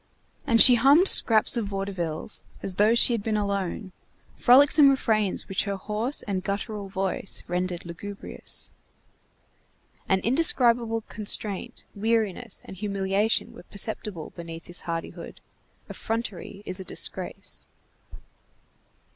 And she hummed scraps of vaudevilles, as though she had been alone, frolicsome refrains which her hoarse and guttural voice rendered lugubrious. An indescribable constraint, weariness, and humiliation were perceptible beneath this hardihood. Effrontery is a disgrace.